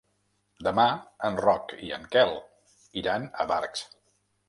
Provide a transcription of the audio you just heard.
Demà en Roc i en Quel iran a Barx.